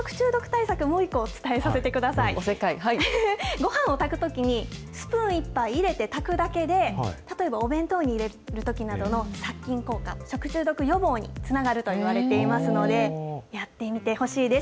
ごはんを炊くときに、スプーン１杯入れて炊くだけで、例えばお弁当に入れるときなどの殺菌効果、食中毒予防につながるといわれていますので、やってみてほしいです。